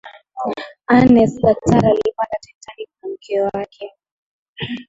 ernest carter alipanda titanic na mke wake